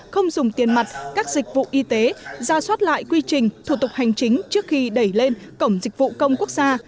không dùng tiền mặt các dịch vụ y tế ra soát lại quy trình thủ tục hành chính trước khi đẩy lên cổng dịch vụ công quốc gia